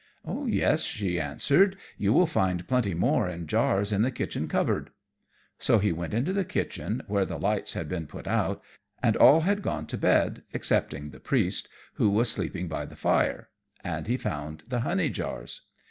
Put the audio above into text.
"Yes," she answered, "you will find plenty more in jars in the kitchen cupboard." So he went into the kitchen, where the lights had been put out, and all had gone to bed, excepting the priest, who was sleeping by the fire; and he found the honey jars.